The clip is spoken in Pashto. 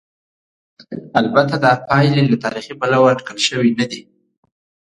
البته دا پایلې له تاریخي پلوه اټکل شوې نه دي.